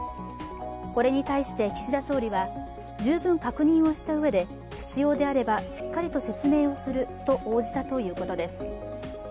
これに対して、岸田総理は十分確認したうえで、必要であればしっかりと説明すると応じたということです。